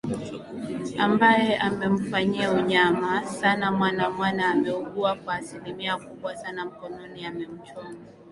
ambae amemfanyia unyama sana mwana mwana ameuguwa kwa asilimia kubwa sana mkononi amemchoma